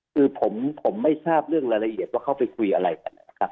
คือผมไม่ทราบเรื่องรายละเอียดว่าเขาไปคุยอะไรกันนะครับ